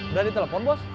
udah ditelepon bos